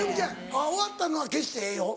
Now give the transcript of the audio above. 終わったのは消してええよ。